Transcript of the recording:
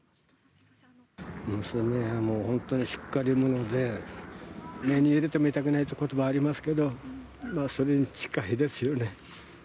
娘は本当にしっかり者で、目に入れても痛くないということば、ありますけど、それに近いですよね。